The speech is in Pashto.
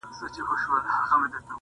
توبه لرم پر شونډو ماتوې یې او که نه -